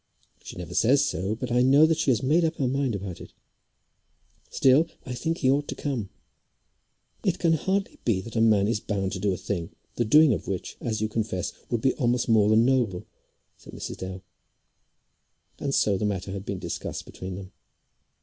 She never says so, but I know that she has made up her mind about it. Still I think he ought to come." "It can hardly be that a man is bound to do a thing, the doing of which, as you confess, would be almost more than noble," said Mrs. Dale. And so the matter had been discussed between them.